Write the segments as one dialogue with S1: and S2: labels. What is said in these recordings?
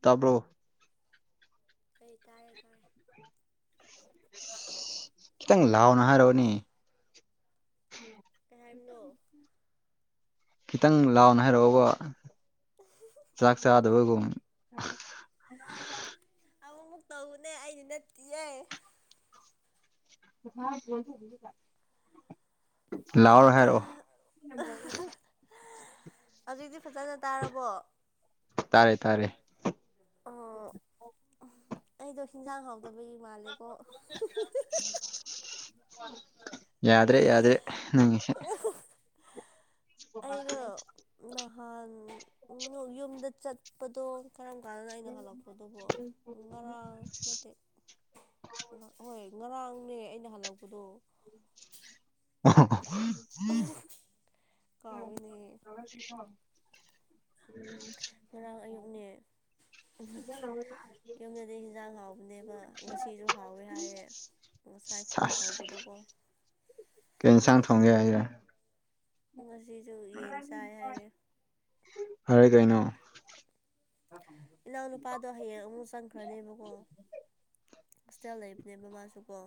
S1: ꯇꯥꯕ꯭ꯔꯣ
S2: ꯑꯩ ꯇꯥꯏꯌꯦ ꯇꯥꯔꯦ
S1: ꯈꯤꯇꯪ ꯂꯥꯎꯅ ꯍꯥꯏꯔꯛꯑꯣꯅꯦ
S2: ꯀꯩ ꯍꯥꯏꯕꯅꯣ
S1: ꯈꯤꯇꯪ ꯂꯥꯎꯅ ꯍꯥꯏꯩꯔꯛꯑꯣꯕ ꯆꯥꯛ ꯆꯥꯗꯕꯒꯨꯝ
S2: ꯑꯃꯨꯃꯨꯛ ꯇꯧꯕꯅꯦ ꯑꯩꯅ ꯅꯠꯇꯤꯌꯦ
S1: ꯂꯥꯎꯔꯥ ꯍꯥꯏꯔꯛꯑꯣ
S2: ꯍꯧꯖꯤꯛꯇꯤ ꯐꯖꯅ ꯇꯔꯥꯕꯣ
S1: ꯇꯥꯔꯦ ꯇꯥꯔꯦ
S2: ꯑꯣ ꯑꯩꯗꯣ ꯍꯤꯟꯖꯥꯡ ꯍꯥꯎꯗꯕꯒꯤ ꯃꯥꯜꯂꯦꯀꯣ
S1: ꯌꯥꯗ꯭ꯔꯦ ꯌꯥꯗ꯭ꯔꯦ ꯅꯪꯁꯤ
S2: ꯑꯩꯗꯣ ꯅꯍꯥꯟ ꯅꯣ ꯌꯨꯝꯗ ꯆꯠꯄꯗꯣ ꯀꯔꯝ ꯀꯥꯟꯗꯅꯣ ꯑꯩꯅ ꯍꯜꯂꯛꯄꯗꯨꯕꯣ ꯉꯔꯥꯡ ꯅꯠꯇꯦ ꯍꯣꯏ ꯉꯔꯥꯡꯅꯦ ꯑꯩꯅ ꯍꯜꯂꯛꯄꯗꯣ
S1: [unintelligible]
S2: ꯀꯥꯎꯋꯤꯅꯦ
S1: [inaudible]
S2: ꯉꯔꯥꯡ ꯑꯌꯨꯛꯅꯦ
S1: [unintelligible]
S2: ꯌꯨꯝꯗꯗꯤ ꯍꯤꯟꯖꯥꯡ ꯍꯥꯎꯕꯅꯦꯕ ꯉꯁꯤꯁꯨ ꯍꯥꯎꯋꯦ ꯍꯥꯏꯌꯦ ꯉꯁꯥꯏ ꯐꯣꯟ
S1: ꯑꯁ
S2: ꯇꯧꯕꯗꯀꯣ
S1: ꯀꯩ ꯌꯦꯟꯁꯥꯡ ꯊꯣꯡꯉꯦ ꯍꯥꯏꯌꯦ
S2: ꯉꯁꯤꯁꯨ ꯌꯦꯟ ꯆꯥꯏ ꯍꯥꯏꯌꯦ
S1: ꯐꯔꯦ ꯀꯩꯅꯣ
S2: ꯏꯅꯥꯎꯅꯨꯄꯥꯗꯣ ꯍꯌꯦꯡ ꯑꯃꯨꯛ ꯆꯪꯈ꯭ꯔꯅꯤꯕꯀꯣ ꯍꯣꯁꯇꯦꯜ ꯂꯩꯕꯅꯦꯕ ꯃꯥꯁꯨ ꯑꯣ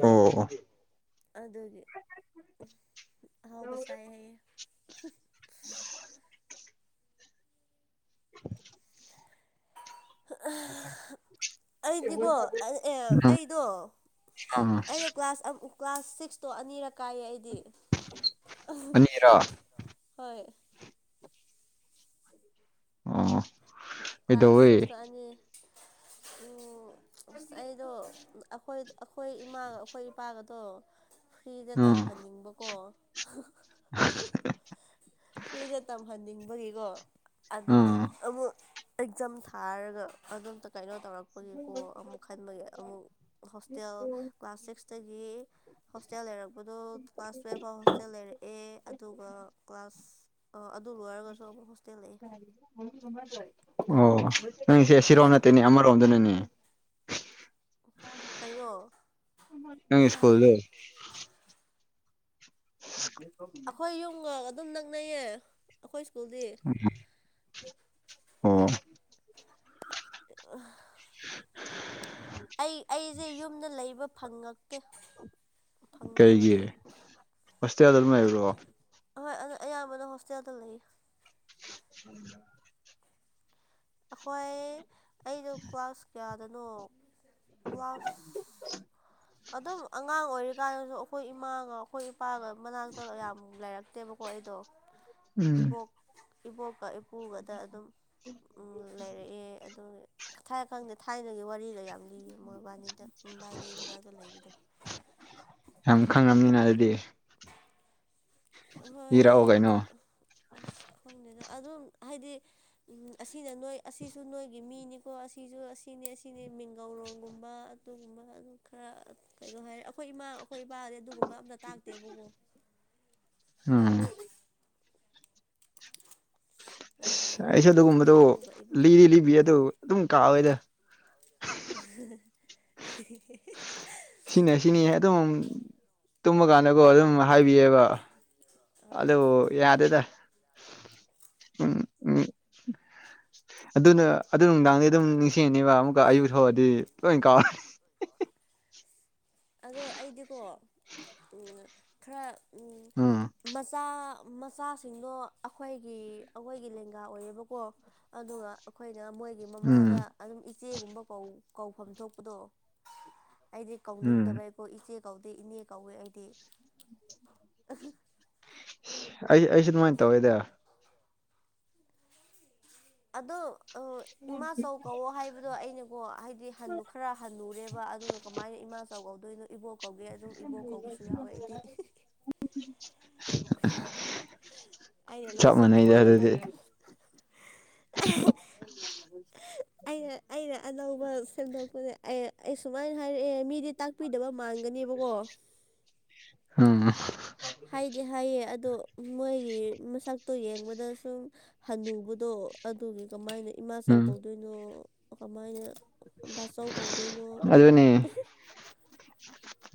S1: ꯑꯣ ꯑꯣ
S2: ꯑꯗꯨꯒꯤ ꯑꯍꯥꯎꯕ ꯆꯥꯏ ꯍꯥꯏꯌꯦ
S1: [inaudible]
S2: [inaudible] ꯑꯩꯗꯤꯕꯣ ꯑꯩ ꯑꯦ
S1: ꯎꯝ
S2: ꯑꯩꯗꯣ
S1: ꯑꯥ
S2: ꯑꯩꯗꯣ ꯀ꯭ꯂꯥꯁ ꯑ ꯀ꯭ꯂꯥꯁ ꯁꯤꯛꯁꯇꯣ ꯑꯅꯤꯔꯛ ꯀꯥꯏꯌꯦ ꯑꯩꯗꯤ
S1: ꯑꯅꯤꯔꯣ
S2: [unintelligible] ꯍꯣꯏ
S1: ꯑꯣ
S2: ꯀ꯭ꯂꯥꯁ
S1: ꯀꯩꯗꯧꯋꯦ
S2: ꯁꯤꯛꯁꯇ ꯑꯅꯤ ꯎꯝ ꯑꯩꯗꯣ ꯑꯈꯣꯏ ꯑꯈꯣꯏ ꯏꯃꯥꯒ ꯑꯈꯣꯏ ꯏꯄꯥꯒꯗꯣ ꯐ꯭ꯔꯤꯗ
S1: ꯑꯥ
S2: ꯇꯝꯍꯟꯅꯤꯡꯕꯀꯣ [unintelligible]
S1: [unintelligible]
S2: ꯐ꯭ꯔꯤꯗ ꯇꯝꯍꯟꯅꯤꯡꯕꯒꯤꯀꯣ ꯑꯗꯨꯒꯤ
S1: ꯑꯥ
S2: ꯑꯃꯨꯛ ꯑꯦꯒꯖꯥꯝ ꯊꯥꯔꯒ ꯑꯗꯨꯝꯇ ꯀꯩꯅꯣ ꯇꯧꯔꯛꯄꯒꯤꯀꯣ ꯑꯃꯨꯛ ꯈꯟꯕꯒꯤ ꯑꯃꯨꯛ ꯍꯣꯁꯇꯦꯜ ꯀ꯭ꯂꯥꯁ ꯁꯤꯛꯁꯇꯒꯤ ꯍꯣꯁꯇꯦꯜ ꯂꯩꯔꯛꯄꯗꯨ ꯀ꯭ꯂꯥꯁ ꯇꯨꯌꯦꯜꯐ ꯐꯥꯎ ꯍꯣꯁꯇꯦꯜ ꯂꯩꯔꯛꯑꯦ ꯑꯗꯨꯒ ꯀ꯭ꯂꯥꯁ ꯑ ꯑꯗꯨ ꯂꯣꯏꯔꯒꯁꯨ ꯑꯃꯨꯛ ꯍꯣꯁꯇꯦꯜ ꯂꯩꯌꯦ
S1: [inaudible] ꯑꯣ ꯅꯪꯁꯦ ꯁꯤꯔꯣꯝ
S2: ꯌꯨꯝ
S1: ꯅꯠꯇꯦꯅꯦ ꯑꯃꯔꯣꯝꯗꯅꯅꯦ
S2: ꯀꯩꯅꯣ?
S1: ꯅꯪꯒꯤ ꯁ꯭ꯀꯨꯜꯗꯤ [unintelligible]
S2: ꯑꯈꯣꯏ ꯌꯨꯝꯒ ꯑꯗꯨꯝ ꯅꯛꯅꯩꯌꯦ ꯑꯈꯣꯏ ꯁ꯭ꯀꯨꯜꯗꯤ꯫
S1: [unintelligible] ꯑꯣ
S2: [unintelligible]
S1: [unintelligible]
S2: ꯑꯩ ꯑꯩꯁꯦ ꯌꯨꯝꯗ ꯂꯩꯕ ꯐꯪꯉꯛꯇꯦ꯫ ꯐꯪꯗꯦꯕ
S1: ꯀꯩꯒꯤ? ꯍꯣꯁꯇꯦꯜꯗ ꯑꯗꯨꯝ ꯂꯩꯕ꯭ꯔꯣ?
S2: ꯑꯍꯣꯏ ꯑꯗꯨ ꯑꯌꯥꯝꯕꯅ ꯍꯣꯁꯇꯦꯜꯗ ꯂꯩ꯫
S1: [inaudible]
S2: ꯑꯈꯣꯏ ꯑꯩꯗꯣ ꯀ꯭ꯂꯥꯁ ꯀꯌꯥꯗꯅꯣ ꯀ꯭ꯂꯥꯁ ꯑꯗꯨꯝ ꯑꯉꯥꯡ ꯑꯣꯏꯔꯤꯀꯥꯟꯗꯁꯨ ꯑꯈꯣꯏ ꯏꯃꯥꯒ ꯑꯈꯣꯏ ꯏꯄꯥꯒ ꯃꯅꯥꯛꯇꯒ ꯌꯥꯝ ꯂꯩꯔꯛꯇꯦꯕꯀꯣ ꯑꯩꯗꯣ
S1: ꯎꯝ
S2: ꯏꯕꯣꯛ ꯏꯕꯣꯛꯀ ꯏꯄꯨꯒꯗ ꯑꯗꯨꯝ ꯎꯝ ꯂꯩꯔꯛꯑꯦ ꯑꯗꯨꯒꯤ ꯊꯥꯏ ꯈꯪꯗꯦ ꯊꯥꯏꯅꯒꯤ ꯋꯥꯔꯤꯒ ꯌꯥꯝ ꯂꯤꯌꯦ ꯃꯣꯢꯕꯥꯅꯤꯗ ꯃꯕꯥꯅꯤꯗ ꯃꯕꯥꯅꯤ ꯃꯅꯥꯛꯇ ꯂꯩꯕꯗꯣ꯫
S1: ꯌꯥꯝ ꯈꯪꯉꯝꯅꯤꯅ ꯑꯗꯨꯗꯤ ꯂꯤꯔꯛꯑꯣ
S2: ꯍꯣꯏ
S1: ꯀꯩꯅꯣ
S2: ꯑꯁ ꯈꯪꯗꯦꯗ ꯑꯗꯨꯝ ꯍꯥꯏꯗꯤ ꯎꯡ ꯑꯁꯤꯅ ꯅꯣꯏ ꯑꯁꯤꯁꯨ ꯅꯣꯏꯒꯤ ꯃꯤꯅꯤꯀꯣ ꯑꯁꯤꯁꯨ ꯑꯁꯤꯅꯤ ꯑꯁꯤꯅꯤ ꯃꯤꯡꯒꯧꯔꯣꯡꯒꯨꯝꯕ ꯑꯗꯨꯒꯨꯝꯕ ꯑꯗꯨꯝ ꯈ꯭ꯔ ꯀꯩꯩꯅꯣ ꯍꯥꯏꯔꯦ ꯑꯩꯈꯣꯏ ꯏꯃꯥ ꯑꯩꯈꯣꯏ ꯏꯄꯥꯒꯗꯤ ꯑꯗꯨꯒꯨꯝꯕ ꯑꯝꯇ ꯇꯥꯛꯇꯦꯕꯀꯣ꯫
S1: ꯑ ꯑꯁ ꯑꯩꯁꯨ
S2: ꯑꯩꯈꯣꯏ
S1: ꯑꯗꯨꯒꯨꯝꯕꯗꯣ
S2: ꯏꯄꯨꯒ ꯏꯕꯨꯡꯒ
S1: ꯂꯤꯗꯤ ꯂꯤꯕꯤꯌꯦ ꯑꯗꯣ ꯑꯗꯨꯝ ꯀꯥꯎꯑꯦꯗ꯫
S2: [unintelligible] [unintelligible]
S1: ꯁꯤꯅ ꯁꯤꯅꯤ ꯑꯗꯨꯝ ꯇꯨꯝꯕ ꯀꯥꯟꯗꯀꯣ ꯑꯗꯨꯝ ꯍꯥꯏꯕꯤꯌꯦꯕ ꯑꯗꯨ ꯌꯥꯗꯦꯗ ꯎꯝ ꯎꯝ ꯑꯗꯨꯅ ꯑꯗꯨ ꯅꯨꯡꯗꯥꯡꯗꯤ ꯑꯗꯨꯝ ꯅꯤꯡꯁꯤꯡꯅꯤꯕ ꯑꯃꯨꯛꯀ ꯑꯌꯨꯛ ꯊꯣꯛꯑꯗꯤ ꯂꯣꯏ ꯀꯥꯎꯔ
S2: [inaudible] ꯑꯗꯣ ꯑꯩꯗꯤꯀꯣ ꯎꯡ ꯈꯔ ꯎꯝ ꯃꯁ ꯆꯥ ꯃꯆꯥꯁꯤꯡꯗꯣ ꯑꯈꯣꯏꯒꯤ ꯑꯈꯣꯏꯒꯤ ꯂꯦꯡꯒꯥ ꯑꯣꯏꯌꯦꯕꯀꯣ ꯑꯗꯨꯒ ꯑꯈꯣꯏꯅ ꯃꯣꯏ ꯒꯤ
S1: ꯎꯝ
S2: ꯃꯃꯥꯗ ꯑꯗꯨꯝ ꯏꯆꯦꯒꯨꯝꯕ ꯀꯧ ꯀꯧꯐꯝ ꯊꯣꯛꯄꯗꯣ ꯑꯩꯗꯤ
S1: ꯎꯝ
S2: ꯀꯧꯅꯤꯡꯗꯕꯩꯀꯣ ꯏꯆꯦ ꯀꯧꯗꯦ ꯏꯅꯦ ꯀꯧꯋꯦ ꯑꯩꯗꯤ [unintelligible]
S1: ꯑꯩ ꯑꯩꯁꯦ ꯑꯗꯨꯃꯥꯏꯟ ꯇꯧꯋꯦꯗ
S2: ꯑꯗꯣ ꯑ ꯏꯃꯥꯆꯧ ꯀꯧꯋꯣ ꯍꯥꯏꯕꯗꯣ ꯑꯩꯅꯀꯣ ꯍꯥꯏꯗꯤ ꯍꯟꯅꯨ ꯈꯔ ꯍꯟꯅꯨꯔꯦꯕ ꯑꯗꯨꯒ ꯀꯃꯥꯏꯟ ꯏꯃꯥꯆꯧ ꯀꯧꯗꯣꯏꯅꯣ ꯏꯕꯣꯛ ꯀꯧꯒꯦ ꯑꯗꯨꯝ ꯏꯕꯣꯛ ꯀꯧꯕꯁꯨ ꯌꯥꯎꯋꯦ ꯑꯩꯗꯤ ꯑꯩꯅ
S1: ꯆꯞ
S2: ꯂꯣꯏ
S1: ꯃꯥꯟꯅꯩꯗ
S2: ꯁꯦꯝꯗꯣꯛꯄꯅꯤꯗ
S1: ꯑꯗꯨꯗꯤ
S2: [unintelligible]
S1: [unintelligible]
S2: ꯑꯩꯅ ꯑꯩꯅ ꯑꯅꯧꯕ ꯁꯦꯝꯗꯣꯛꯄꯁꯦ ꯑꯩ ꯑꯩ ꯁꯨꯃꯥꯏꯟ ꯍꯥꯏꯔꯛꯑꯦ ꯃꯤꯗꯤ ꯇꯥꯛ ꯄꯤꯗꯕ ꯃꯥꯟꯒꯅꯦꯕꯀꯣ
S1: [unintelligible]
S2: [unintelligible] ꯍꯥꯏꯗꯤ ꯍꯥꯏꯌꯦ ꯑꯗꯣ ꯃꯣꯏꯒꯤ ꯃꯁꯛꯇꯣ ꯌꯦꯡꯕꯗ ꯁꯨꯝ ꯍꯅꯨꯕꯗꯣ ꯑꯗꯨꯒꯤ ꯀꯃꯥꯏꯅ ꯏꯃꯥꯆꯧ
S1: ꯎꯝ
S2: ꯀꯧꯗꯣꯏꯅꯣ ꯀꯃꯥꯏꯅ ꯕꯥꯆꯧ ꯀꯧꯗꯣꯏꯅꯣ ꯑꯗꯨꯝ
S1: ꯑꯗꯨꯅꯤ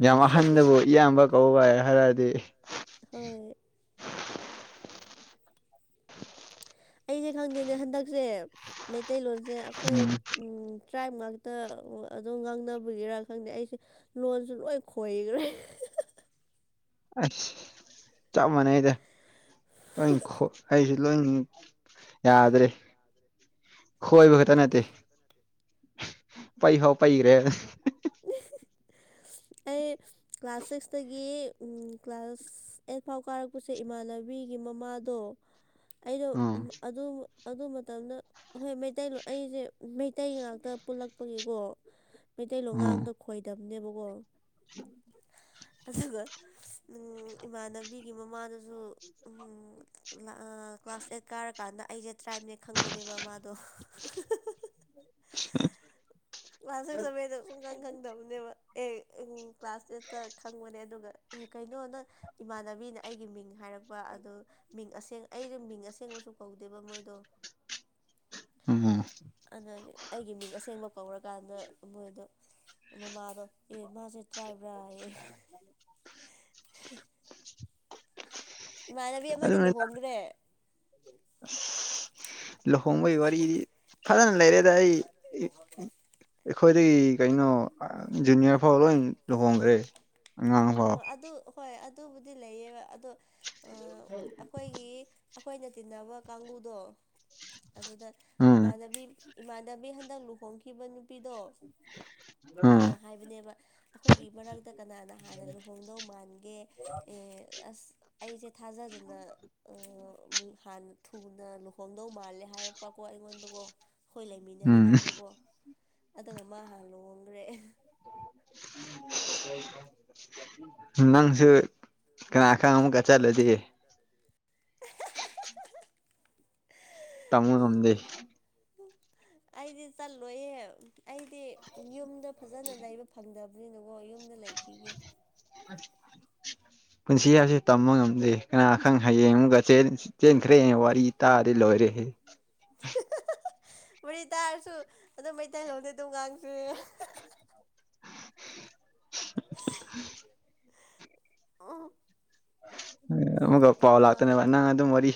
S1: ꯌꯥꯝ ꯑꯍꯟꯗꯕꯨ ꯏꯌꯥꯝꯕ ꯀꯧ ꯀꯥꯏ ꯍꯥꯏꯔꯛꯑꯗꯤ
S2: ꯍꯣꯏ ꯑꯩꯗꯤ ꯈꯪꯗꯦꯅꯦ ꯍꯟꯗꯛꯁꯦ ꯃꯩꯇꯩꯂꯣꯟꯁꯦ ꯑꯩꯈꯣꯏ
S1: ꯎꯝ
S2: ꯎꯝ ꯇ꯭ꯔꯥꯏꯞ ꯉꯥꯛꯇ ꯑꯗꯨꯝ ꯉꯥꯡꯅꯕꯒꯤꯔ ꯈꯪꯗꯦ ꯑꯩꯁꯦ ꯂꯣꯟꯁꯨ ꯂꯣꯏ ꯈꯣꯏꯒ꯭ꯔꯦ
S1: ꯑꯁ ꯆꯞ ꯃꯥꯟꯅꯩꯗ ꯅꯪ ꯈꯣ ꯑꯩꯖꯨ ꯂꯣꯏꯅꯤ ꯌꯥꯗ꯭ꯔꯦ ꯈꯣꯏꯕ ꯈꯠꯇ ꯅꯠꯇꯦ ꯄꯩꯐꯥꯎ ꯄꯩꯒ꯭ꯔꯦ [unintelligible]
S2: ꯑꯩ ꯀ꯭ꯂꯥꯁ ꯁꯤꯛꯁꯇꯒꯤ ꯎꯝ ꯀ꯭ꯂꯥꯁ ꯑꯩꯠ ꯐꯥꯎ ꯀꯥꯔꯛꯄꯁꯦ ꯏꯃꯥꯟꯅꯕꯤꯒꯤ ꯃꯃꯥ ꯇꯣ ꯑꯩꯗꯣ ꯎꯝ ꯑꯗꯨ ꯑꯗꯨ ꯃꯇꯝꯗ ꯍꯣꯏ ꯃꯩꯇꯩꯂꯣ ꯑꯩꯖꯦ ꯃꯩꯇꯩ ꯉꯥꯛꯇ ꯄꯨꯜꯂꯛꯄꯒꯤꯀꯣ ꯇꯩꯂꯣꯟ
S1: ꯎꯝ
S2: ꯉꯥꯡꯕꯗ ꯈꯣꯏꯗꯕꯅꯦꯕꯀꯣ
S1: [unintelligible]
S2: ꯑꯗꯨꯒ ꯎꯪ ꯏꯃꯥꯟꯅꯕꯤꯒꯤ ꯃꯃꯥꯗꯨꯁꯨ ꯎꯝ ꯂꯥꯛ ꯀ꯭ꯂꯥꯁ ꯑꯩꯠ ꯀꯥꯔꯀꯥꯟꯗ ꯑꯩꯖꯦ ꯇ꯭ꯔꯥꯏꯞꯅꯦ ꯈꯪꯕꯅꯦꯕ ꯃꯥꯗꯣ
S1: [unintelligible]
S2: ꯀ꯭ꯂꯥꯁ ꯁꯤꯛꯁ ꯁꯕꯦꯟꯗ ꯁꯨꯡꯀꯪ ꯈꯪꯗꯕꯅꯦꯕ ꯑꯦ ꯎꯝ ꯀ꯭ꯂꯥꯁ ꯑꯦꯠꯇ ꯈꯪꯕꯅꯦ ꯑꯗꯨꯒ ꯑꯦ ꯀꯩꯅꯣ ꯅꯪ ꯏꯃꯥꯟꯅꯕꯤꯅ ꯑꯩꯒꯤ ꯃꯤꯡ ꯍꯥꯏꯔꯛ ꯄ ꯑꯗꯣ ꯃꯤꯡ ꯑꯁꯦꯡ ꯑꯩꯖꯨ ꯃꯤꯡ ꯑꯁꯦꯡꯕꯁꯨ ꯀꯧꯗꯦꯕ ꯃꯣꯏꯗꯣ
S1: ꯎꯝ
S2: ꯑꯗꯒꯤ ꯑꯩꯒꯤ ꯃꯤꯡ ꯑꯁꯦꯡꯕ ꯀꯧꯔꯀꯥꯟꯗ ꯃꯣꯏꯗꯣ ꯃꯃꯥꯗꯣ ꯑꯦ ꯃꯥꯁꯦ ꯇ꯭ꯔꯥꯏꯕꯔꯥ ꯍꯥꯏꯌꯦ
S1: [unintelligible]
S2: ꯏꯃꯥꯟꯅꯕꯤ ꯑꯃꯗꯤ ꯂꯨꯍꯣꯡꯒ꯭ꯔꯦ
S1: ꯑꯁ ꯂꯨꯍꯣꯡꯕꯒꯤ ꯋꯥꯔꯤꯗꯤ ꯐꯖꯅ ꯂꯩꯔꯦꯗ ꯑꯩ ꯑꯩꯈꯣꯏꯗꯒꯤ ꯀꯩꯅꯣ ꯖꯨꯅꯤꯌꯔ ꯐꯥꯎ ꯂꯣꯏ ꯂꯨꯍꯣꯡꯒ꯭ꯔꯦ
S2: ꯑ ꯑꯗꯨ ꯍꯣꯏ ꯑꯗꯨꯕꯨꯗꯤ ꯂꯩꯌꯦꯕ ꯑꯗꯣ ꯑ ꯑꯩꯈꯣꯏꯒꯤ ꯑꯩꯈꯣꯏꯅ ꯇꯤꯟꯅꯕ ꯀꯥꯡꯕꯨꯨꯗꯣ ꯑꯗꯨꯗ
S1: ꯎꯝ
S2: ꯏꯃꯥꯟꯅꯕꯤ ꯏꯃꯥꯟꯅꯕꯤ ꯍꯟꯗꯛ ꯂꯨꯍꯣꯡꯈꯤꯕ ꯅꯨꯄꯤꯗꯣ
S1: ꯎꯝ
S2: ꯑꯗꯨꯅ ꯍꯥꯏꯕꯅꯦꯕ ꯑꯩꯈꯣꯏꯒꯤ ꯃꯔꯛꯇ ꯀꯅꯥꯅ ꯍꯥꯟꯅ ꯂꯨꯍꯣꯡꯗꯧ ꯃꯥꯟꯒꯦ ꯑꯦ ꯑꯁ ꯑꯩꯁꯦ ꯊꯥꯖꯗꯅ ꯌꯥꯝ ꯊꯨꯅ ꯂꯨꯍꯣꯡꯗꯧ ꯃꯥꯜꯂꯦ ꯍꯥꯏꯔꯛꯄꯀꯣ ꯑꯩꯉꯣꯟꯗꯀꯣ ꯑꯩꯈꯣꯏ
S1: ꯎꯝ
S2: ꯂꯩꯃꯤꯟꯅꯔꯤꯀꯥꯟꯗꯀꯣ ꯑꯗꯨꯒ ꯃꯥ ꯍꯥꯟꯅ ꯂꯨꯍꯣꯡꯈ꯭ꯔꯦ
S1: [unintelligible] ꯅꯪꯁꯨ ꯀꯅꯥꯀꯪ ꯑꯃꯨꯛꯀ ꯆꯠꯂꯗꯤ ꯇꯝꯕ ꯉꯝꯗꯦ
S2: ꯑꯩꯗꯤ ꯆꯠꯂꯣꯏꯌꯦ ꯑꯩꯗꯤ ꯌꯨꯝꯗ ꯐꯖꯅ ꯂꯩꯕ ꯐꯪꯗꯕꯅꯤꯅꯀꯣ ꯌꯨꯝꯗ ꯂꯩꯈꯤꯒꯦ
S1: ꯄꯨꯟꯁꯤ ꯍꯥꯏꯁꯦ ꯇꯝꯕ ꯉꯝꯗꯦ ꯀꯅꯥꯈꯪ ꯍꯌꯦꯡ ꯑꯃꯒꯦ ꯆꯦꯟꯈ꯭ꯔꯦꯍꯦ ꯋꯥꯔꯤ ꯇꯥꯔꯗꯤ ꯂꯣꯏꯔꯦꯍꯦ
S2: ꯋꯥꯔꯤ ꯇꯥꯔꯁꯨ ꯑꯗꯨꯝ ꯃꯩꯇꯩꯂꫭꯜꯗꯤ ꯑꯗꯨꯝ ꯉꯥꯡꯁ°
S1: [unintelligible]
S2: [unintelligible]
S1: ꯑꯩꯉꫭꯟꯗ ꯄꯥꯎ
S2: ꯃꯃꯥꯡ
S1: ꯂꯥꯛꯇꯅꯕ ꯅꯪ ꯑꯗꯨꯝ ꯋꯥꯔꯤ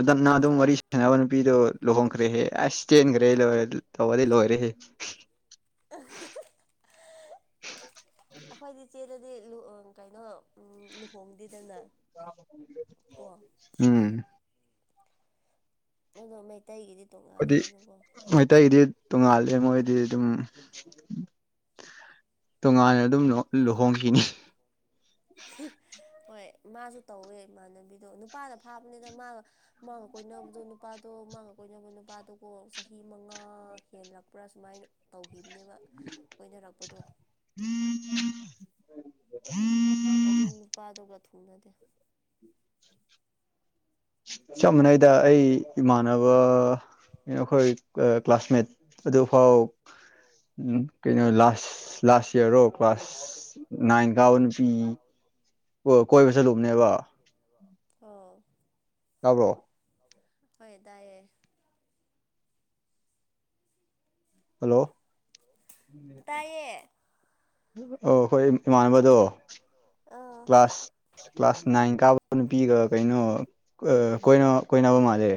S1: ꯑꯗꫭ ꯅꯪ ꯑꯗꯨꯝ ꯋꯥꯔꯤ ꯁꯥꯟꯅꯕ ꯅꯨꯄꯤꯗꯣ ꯂꯨꯍꯣꯡꯈ꯭ꯔꯦꯍꯦ ꯑꯁ ꯆꯦꯟꯈ꯭ꯔꯦ ꯂꯣꯏꯔ°ꯗꯨ ꯇꯧꯕꯗꯤ ꯂꯣꯏꯔ°ꯍ°
S2: ꯑꯩꯈꯣꯏꯅꯤ ꯆꯦꯜꯂꯗꯤ ꯂꯨꯍꫭꯡ ꯀꯩꯅꯣ ꯂꯨꯍꯣꯡꯗꯦꯗꯅ ꯀꯣ
S1: ꯎꯝ
S2: ꯑꯗꯣ ꯃꯩꯇꯩꯒꯤꯗꯤ
S1: ꯍꯥꯏꯗꯤ
S2: ꯇꯣꯡꯉꯥꯜꯂꯦꯗꯅꯀꯣ
S1: ꯃꯩꯇꯩꯒꯤꯗꯤ ꯇꯣꯡꯉꯥꯜꯂꯦ ꯃꯣꯏꯗꯤ ꯑꯗꯨꯝ ꯇꯣꯉꯥꯟꯂ° ꯑꯗꯨꯝ ꯂꯨꯍꫭꯡ ꯂꯨꯍꯣꯡꯈꯤꯅꯤ
S2: ꯍꯣꯏ ꯃꯥꯁꯨ ꯇꯧꯋꯦ ꯏꯃꯥꯟꯅꯕꯤꯗꯣ ꯅꯨꯄꯥꯅ ꯐꯥꯕꯅꯤꯗ ꯃꯥ ꯃꯥꯥꯒ ꯀꯣꯏꯅꯕꯗꯣ ꯅꯨꯄꯥꯗꯣ ꯃꯥꯥꯒ ꯀꯣꯏꯅꯕ ꯅꯨꯄꯥꯗꫭꯀꫭ ꯆꯍꯤ ꯃꯉꯥ ꯍꯦꯜꯂꯛꯄ꯭ꯔꯥ ꯁꯨꯃꯥꯏꯅ ꯇꯧꯒꯤꯕꯅꯦꯕ ꯀꫭꯏꯅꯔꯛꯄꯗꯣ
S1: [unintelligible]
S2: ꯑꯗꯨ ꯅꯨꯄꯥꯗꯨꯒ ꯊꯨꯡꯅꯗꯦ
S1: [unintelligible] ꯆꯞ ꯃꯥꯟꯅꯩꯗ ꯑꯩ ꯏꯃꯥꯟꯅꯕ ꯑꯩꯈꯣꯏ ꯀ꯭ꯂꯥꯁꯃꯦꯠ ꯑꯗꯨꯐꯥꯎ ꯀꯩꯅꯣ ꯂꯥꯁ ꯂꯥꯁ ꯏꯌꯔ ꯔꫭ ꯀ꯭ꯂꯥꯁ ꯅꯥꯏꯟ ꯀꯥꯕ ꯅꯨꯄꯤ ꯀꫭ ꯀꯣꯏꯕ ꯆꯠꯂꯨꯕꯅꯦꯕ
S2: ꯑꯥꯎ
S1: ꯇꯥꯕ꯭ꯔꯣ
S2: ꯍꯣꯏ ꯇꯥꯏꯌ°
S1: ꯍꯜꯂꯣ
S2: ꯇꯥꯏꯌꯦ
S1: ꯑꯥꯎ ꯑꯩꯈꯣꯏ ꯏꯃꯥꯟꯅꯕꯗꯣ
S2: ꯑꯥꯎ
S1: ꯑꯁꯁ ꯀ꯭ꯂꯥꯁ ꯅꯥꯏꯟ ꯀꯥꯕ ꯅꯨꯄꯤꯒ ꯀꯩꯅꯣ ꯑ ꯀꯣꯏꯅ ꯀꯣꯏꯅꯕ ꯃꯥꯜꯂꯦ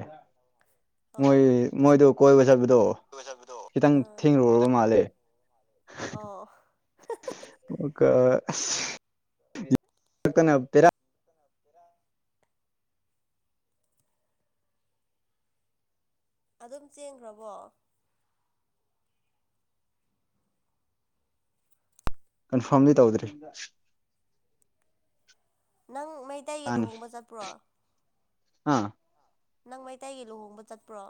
S1: ꯃꯣꯏ
S2: ꯑꯣ
S1: ꯃꯣꯏꯗꯣ ꯀꯣꯏꯕ ꯆꯠꯄꯗꯣ ꯈꯤꯇꯪ
S2: ꯑꯥ
S1: ꯊꯦꯡꯂꯨꯔꯕ ꯃꯥꯜꯂꯦ
S2: ꯑꯣ
S1: ꯑꯗꯨꯒ ꯑꯁꯁ [unintelligible]
S2: ꯉꯔꯥꯡ ꯑꯗꯨꯝ ꯆꯦꯟꯒ꯭ꯔꯕꯣ
S1: ꯀꯟꯐꯥꯔꯝꯗꯤ ꯇꯧꯗ꯭ꯔꯤ
S2: ꯅꯪ ꯃꯩꯇꯩꯒꯤ ꯂꯨꯍꯣꯡꯕ ꯆꯠꯄ꯭ꯔꯣ
S1: ꯍꯥꯥ
S2: ꯅꯪ ꯃꯩꯇꯩꯒꯤ ꯂꯨꯍꯣꯡꯕ ꯆꯠꯄ꯭ꯔꯣ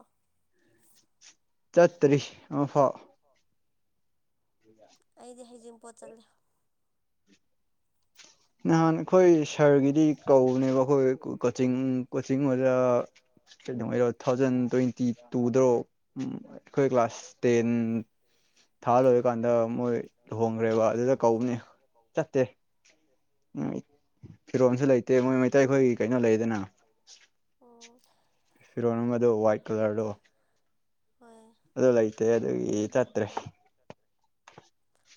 S1: ꯆꯠꯇ꯭ꯔꯤ ꯑꯃꯐꯥꯎ
S2: ꯑꯩꯗꯤ ꯍꯩꯖꯤꯡ ꯄꯣꯠ ꯆꯠꯂꯤ
S1: ꯅꯍꯥꯟ ꯑꯩꯈꯣꯏ ꯁꯥꯔꯒꯤꯗꯤ ꯀꯧꯕꯅꯦꯕ ꯑꯩꯈꯣꯏ ꯀꯣꯆꯤꯡ ꯀꯣꯆꯤꯡ ꯑꯣꯖꯥ ꯀꯩꯗꯧꯉꯩꯔꯣ ꯊꯥꯎꯖꯟ ꯇ꯭ꯋꯦꯟꯇꯤ ꯇꯨꯗ꯭ꯔꯣ ꯎꯝ ꯑꯩꯈꯣꯏ ꯀ꯭ꯂꯥꯁ ꯇꯦꯟ ꯊꯥ ꯂꯣꯏꯔꯥ ꯑꯗꯨ ꯀꯥꯟꯗ ꯃꯣꯏ ꯂꯨꯍꯣꯡꯒ꯭ꯔꯦꯕ ꯑꯗꯨꯗ ꯀꯧꯕꯅꯦ ꯆꯠꯇꯦ ꯎꯝ ꯐꯤꯔꯣꯟꯁꯨ ꯂꯩꯇꯦ ꯃꯣꯏ ꯃꯩꯇꯩꯈꯣꯏꯒꯤ ꯀꯩꯅꯣ ꯂꯩꯗꯅ
S2: ꯑꯣ
S1: ꯐꯤꯔꯣꯟ ꯑꯃꯗꯣ ꯋꯥꯏꯠ ꯀꯂꯔꯗꯣ
S2: ꯍꯣꯏꯌꯦ
S1: ꯑꯗꫭ ꯂꯩꯇꯦ ꯑꯗꯨꯒꯤ ꯆꯠꯇ꯭ꯔꯦ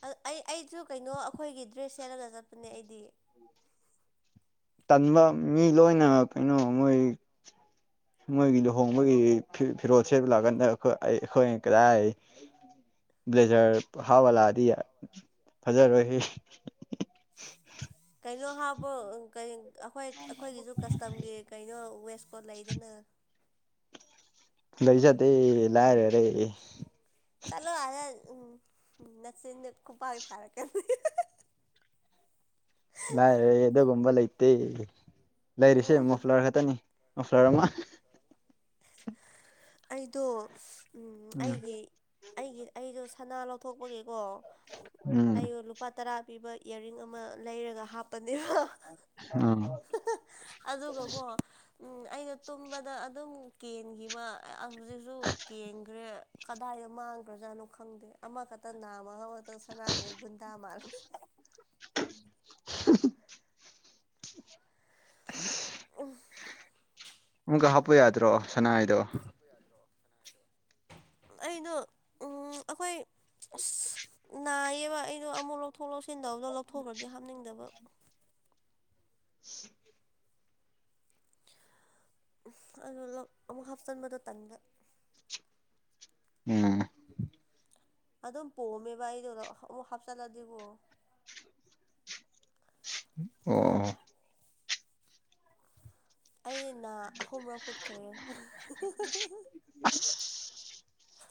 S2: ꯑꯥ ꯑꯩ ꯑꯩꯁꯨ ꯀꯩꯅꯣ ꯑꯩꯈꯣꯏꯒꯤ ꯗ꯭ꯔꯦꯁ ꯁꯦꯠꯂꯒ ꯆꯠꯄꯅꯦ ꯑꯩꯗꯤ
S1: ꯇꯟꯕ ꯃꯤ ꯂꯣꯏꯅ ꯀꯩꯅꯣ ꯃꯣꯏ ꯃꯣꯏꯒꯤ ꯂꯨꯍꯣꯡꯕꯒꯤ ꯐꯤ ꯐꯤꯔꯣꯜ ꯁꯦꯠꯂ ꯂꯥꯛꯑꯀꯥꯟꯗ ꯑꯩ ꯑꯩ ꯑꯩꯈꯣꯏ ꯀꯗꯥꯏ ꯕ꯭ꯂꯦꯖꯔ ꯍꯥꯥꯞꯄꯂꯥꯛꯑꯗꯤ ꯌꯥꯏ ꯐꯖꯔꯣꯏꯍꯦ
S2: ꯀꯩꯅꯣ ꯍꯥꯞꯄꯣ ꯀꯩ ꯑꯩ ꯑꯩꯈꯣꯏ ꯑꯩꯈꯣꯏꯒꯤꯁꯨ ꯀꯁ ꯇꯝꯒꯤ ꯀꯩꯅꯣ ꯋꯦꯁꯀꯣꯠ ꯂꯩꯗꯅ
S1: ꯂꯩꯖꯗꯦ ꯂꯥꯏꯔꯔꯦ
S2: ꯆꯠꯂꯣ ꯑꯥꯗ ꯎꯝ ꯅꯆꯤꯟꯗꯣ ꯈꯨꯄꯥꯡ ꯊꯥꯔꯛꯀꯅꯤ
S1: ꯂꯥꯏꯔꯔꯦ ꯑꯗꯨꯒꯨꯝꯕ ꯂꯩꯇꯦ ꯂꯩꯔꯤꯁꯦ
S2: ꯎꯝ
S1: ꯃꯣꯐ꯭ꯂꯔ ꯈꯛꯇꯅꯤ ꯃꯣꯐ꯭ꯂꯔ ꯑꯃ
S2: ꯑꯩꯗꯣ
S1: ꯎꯝ
S2: ꯑꯩꯒꯤ ꯑꯩꯒꯤ ꯑꯩꯗꯣ ꯁꯅꯥ ꯂꯧꯊꯣꯛꯄꯒꯤꯀꯣ
S1: ꯎꯝ
S2: ꯑꯩ ꯂꯨꯄꯥ ꯇꯔꯥ ꯄꯤꯕ ꯏꯌꯥꯔꯔꯤꯡ ꯑꯃ ꯂꯩꯔꯒ ꯍꯥꯞꯄꯅꯦꯕ
S1: ꯑꯥ
S2: ꯑꯗꯨꯒꯀꯣ ꯎꯝ ꯑꯩꯅ ꯇꯨꯝꯕꯗ ꯑꯗꯨꯝ ꯀꯦꯟꯈꯤꯕ ꯍꯧꯖꯤꯛꯁꯨ ꯀꯦꯟꯈ꯭ꯔꯦ ꯀꯗꯥꯏꯗ ꯃꯥꯡꯈ꯭ꯔꯖꯥꯠꯅꯣ ꯈꯪꯗꯦ ꯑꯃꯈꯛꯇ ꯅꯥꯝꯃ [unintelligible] ꯗꯣ ꯁꯅꯥꯖꯦ ꯒꯨꯟꯗꯥ ꯃꯥꯜꯂꯦ
S1: [unintelligible]
S2: [unintelligible]
S1: ꯑꯃꯨꯛꯀ ꯍꯥꯄꯨ ꯌꯥꯗ꯭ꯔꯣ ꯁꯅꯥ ꯍꯥꯏꯗꯣ
S2: ꯑꯩꯗꯣ ꯎꯝ ꯑꯩꯈꯣꯏ ꯑꯁ ꯅꯥꯏꯌꯦꯕ ꯑꯩꯗꯣ ꯑꯃꯨꯛ ꯂꯧꯊꯣꯛ ꯂꯧꯁꯤꯟ ꯇꯧꯕꯗꯣ ꯂꯧꯊꯣꯛꯈ꯭ꯔꯗꯤ ꯍꯥꯞꯅꯤꯡꯗꯕ ꯑꯗꯨꯗꯣ ꯂꯧ ꯑꯃꯨꯛ ꯍꯥꯞꯆꯤꯟꯕꯗꯣ ꯇꯟꯕ
S1: ꯎꯝ
S2: ꯑꯗꯨꯝ ꯄꯣꯝꯃꯦꯕ ꯑꯩꯗꯨ ꯑ ꯑꯃꯨꯛ ꯍꯥꯞꯆꯤꯜꯂꯗꯤꯀꯣ
S1: ꯑꯣ
S2: ꯑꯩ ꯅꯥ ꯑꯍꯨꯝꯔꯛ ꯍꯨꯠꯈ꯭ꯔꯦ
S1: ꯑꯁ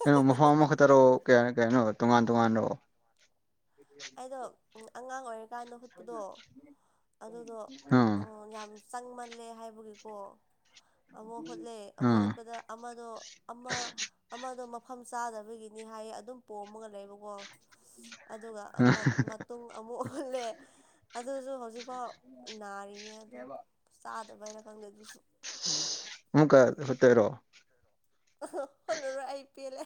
S1: ꯀꯩꯅꯣ ꯃꯐꯝ ꯑꯃ ꯈꯛꯇꯔꯣ ꯀꯌꯥ ꯀꯌꯥꯅꯣ ꯇꯣꯉꯥꯟ ꯇꯣꯉꯥꯟꯔꯣ
S2: ꯑꯩꯗꯣ ꯑꯉꯥꯡ ꯑꯣꯏꯔꯤꯀꯥꯟꯗ ꯍꯨꯠꯄꯗꯣ ꯑꯗꯨꯗꯣ
S1: ꯎꯝ
S2: ꯑꯥ ꯌꯥꯝ ꯆꯪꯃꯜꯂꯦ ꯍꯥꯏꯕꯒꯤꯀꯣ ꯑꯃꯨꯛ ꯍꯨꯠꯂꯦ ꯑꯃꯨꯛ
S1: ꯎꯝ
S2: ꯍꯨꯠꯄꯗ ꯑꯃꯗꯣ ꯑꯃ ꯑꯃꯗꯣ ꯃꯐꯝ ꯆꯥꯗꯕꯒꯤꯅꯤ ꯍꯥꯏꯌꯦ ꯑꯗꯨꯝ ꯄꯣꯝꯃꯒ ꯂꯩꯕꯀꯣ ꯑꯗꯨꯒ ꯑꯃ ꯃꯇꯨꯡ ꯑꯃꯨꯛ ꯍꯨꯠꯂꯦ ꯑꯗꯨꯁꯨ ꯍꯧꯖꯤꯛ ꯐꯥꯎ ꯅꯥꯔꯤꯌꯦ ꯑꯗꯨ ꯆꯥꯗꯕꯩꯔꯥ ꯈꯪꯗꯦ ꯑꯗꯨꯁꯨ
S1: ꯑꯥꯃꯨꯛꯀ ꯍꯨꯠꯇꯣꯏꯔꯣ
S2: ꯍꯨꯠꯂꯥꯔꯣꯏ ꯑꯩ ꯄꯦꯜꯂꯦ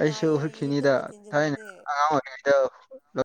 S1: ꯑꯩꯁꯨ
S2: ꯅꯥꯏꯌꯦ
S1: ꯍꯨꯠꯈꯤꯅꯤꯗ
S2: ꯌꯦꯇꯨꯝꯅ
S1: ꯊꯥꯏꯅ
S2: ꯊꯤꯟꯖꯤꯟꯕꯅꯦ
S1: ꯑꯉꯥꯡ ꯑꯣꯏꯔꯤꯉꯩꯗ